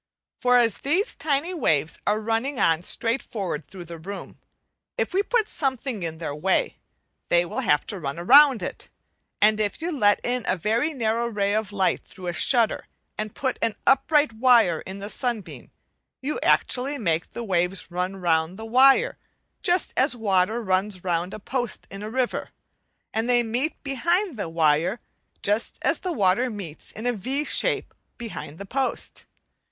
For as these tiny waves are running on straight forward through the room, if we put something in their way, they will have to run round it; and if you let in a very narrow ray of light through a shutter and put an upright wire in the sunbeam, you actually make the waves run round the wire just as water runs round a post in a river; and they meet behind the wire, just as the water meets in a V shape behind the post.